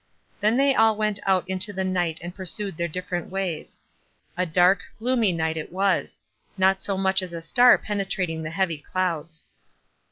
Then they all went out into the night and pursued their different ways. A dark, gloomy night it was, — not so much as a 6tar penetrating the heavy clouds.